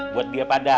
buat dia pada